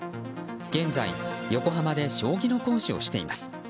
現在、横浜で将棋の講師をしています。